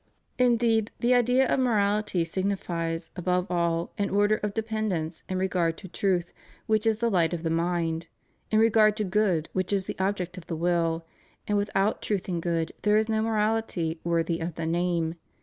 Indeed, the idea of morality signifies, above all, an order of dependence in regard to truth which is the light of the mind ; in regard to good which is the object of the will; and without truth and good there is no morality worthy of the name.